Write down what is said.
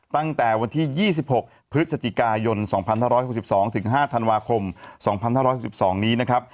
ตั้งแต่วันที่๒๖พฤศจิกายน๒๕๖๒๕ธันวาคม๒๕๖๒นี้นะครับ